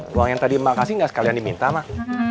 buang yang tadi emak kasih gak sekalian diminta mak